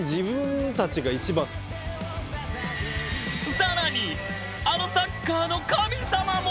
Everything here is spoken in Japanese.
更にあのサッカーの神様も。